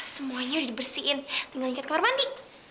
semuanya udah dibersihin tinggal ikat kamar mandi